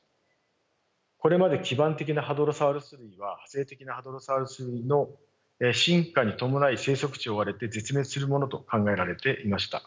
これまで基盤的なハドロサウルス類は派生的なハドロサウルス類の進化に伴い生息地を追われて絶滅するものと考えられていました。